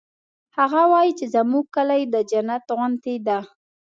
هغه وایي چې زموږ کلی د جنت غوندی ده